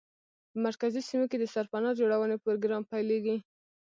په مرکزي سیمو کې د سرپناه جوړونې پروګرام پیلېږي.